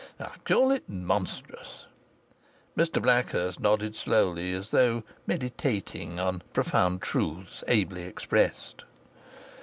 I call it monstrous." Mr Blackhurst nodded slowly, as though meditating upon profound truths ably expressed.